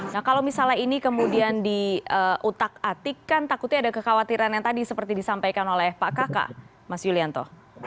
nah kalau misalnya ini kemudian diutak atik kan takutnya ada kekhawatiran yang tadi seperti disampaikan oleh pak kakak mas yulianto